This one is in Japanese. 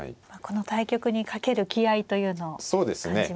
この対局に懸ける気合いというのを感じますね。